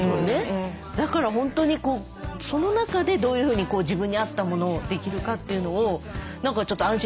だから本当にその中でどういうふうに自分に合ったものをできるかというのを何かちょっと安心しました。